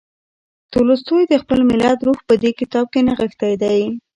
تولستوی د خپل ملت روح په دې کتاب کې نغښتی دی.